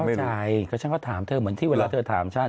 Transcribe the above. เข้าใจเพราะฉันก็ถามเธอเหมือนที่เวลาเธอถามฉัน